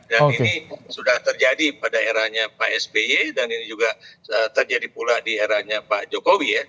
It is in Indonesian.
dan ini sudah terjadi pada eranya pak sby dan ini juga terjadi pula di eranya pak jokowi ya